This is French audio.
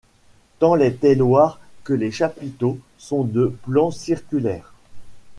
Tant les tailloirs que les chapiteaux sont de plan circulaire.